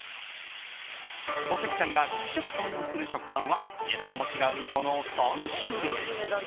小関さんが利き食パンをする食パンは値段も違うこの３種類。